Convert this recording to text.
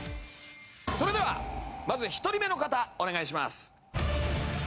それではまず１人目の方、お願いします。